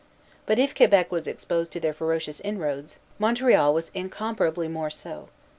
But if Quebec was exposed to their ferocious inroads, Montreal was incomparably more so.